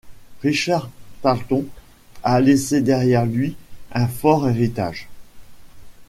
Richard Tarlton a laissé derrière lui un fort héritage.